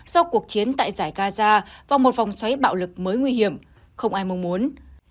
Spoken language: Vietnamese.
sau cuộc chiến tại giải gaza và một vòng xoáy bạo lực mới nguy hiểm không ai mong muốn